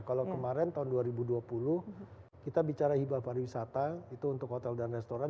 kalau kemarin tahun dua ribu dua puluh kita bicara hibah pariwisata itu untuk hotel dan restoran